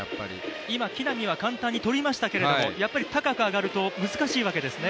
今、木浪は簡単にとりましたけど高く飛ぶと難しいわけですね。